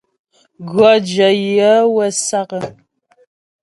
Gʉɔ́ jyə yaə̌ wə́ sǎk.